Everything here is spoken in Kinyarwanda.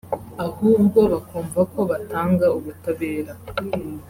ahubwo bakumva ko batanga ubutabera